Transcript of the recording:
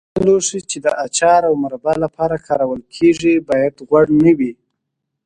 هغه لوښي چې د اچار او مربا لپاره کارول کېږي باید غوړ نه وي.